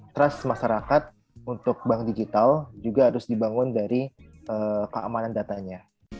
trust masyarakat untuk bank digital juga harus dibangun dari keamanan datanya